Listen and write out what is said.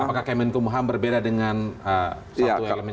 apakah kemenkumuham berbeda dengan